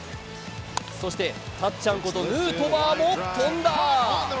そして、たっちゃんことヌートバーも飛んだ。